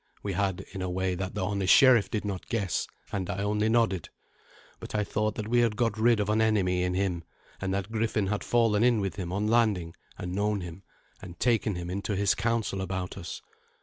We had, in a way that the honest sheriff did not guess, and I only nodded. But I thought that we had got rid of an enemy in him, and that Griffin had fallen in with him on landing, and known him, and taken him into his counsel about us.